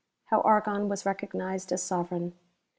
How Argon was recognized as Sovereign.